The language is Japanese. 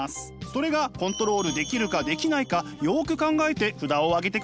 それがコントロールできるかできないかよく考えて札を上げてください。